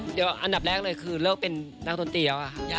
เดี๋ยวอันดับแรกเลยคือเลิกเป็นนักดนตรีแล้วค่ะ